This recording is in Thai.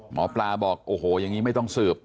หมอปลาบอกโอ้โหอย่างนี้ไม่ต้องสืบ